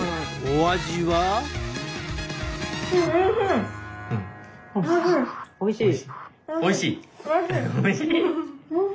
おいしい？